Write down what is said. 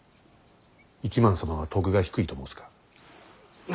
一幡様は徳が低いと申すか。